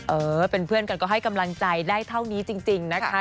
เออเป็นเพื่อนกันก็ให้กำลังใจได้เท่านี้จริงนะคะ